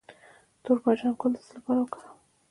د تور بانجان ګل د څه لپاره وکاروم؟